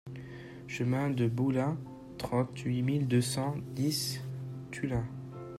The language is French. Chemin de Boulun, trente-huit mille deux cent dix Tullins